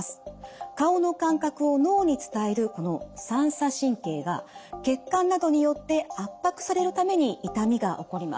顔の感覚を脳に伝えるこの三叉神経が血管などによって圧迫されるために痛みが起こります。